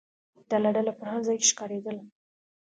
ډله ډله په هر ځای کې ښکارېدل.